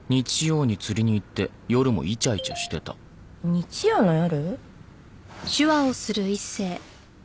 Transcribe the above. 日曜の夜？